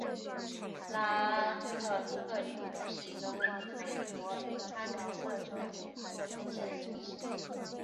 拉特克利夫是一个位于美国阿肯色州洛根县的城市。